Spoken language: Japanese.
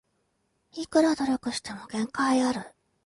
いくら努力しても限界ある